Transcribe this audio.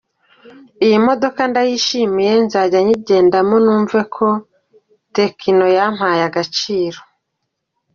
Iyi modoka ndayishimiye nzajya nyigendamo numve ko Tecno yampaye agaciro.